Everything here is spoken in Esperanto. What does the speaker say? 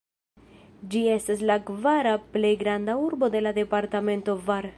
Ĝi estas la kvara plej granda urbo de la departemento Var.